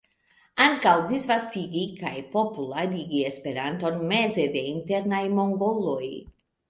Ankaŭ disvastigi kaj popularigi Esperanton meze de internaj mongoloj.